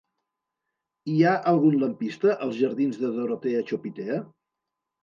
Hi ha algun lampista als jardins de Dorotea Chopitea?